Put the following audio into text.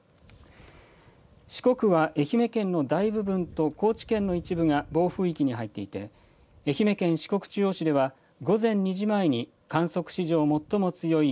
四国は愛媛県の大部分と高知県の一部が暴風域に入っていて愛媛県四国中央市では午前２時前に観測史上、最も強い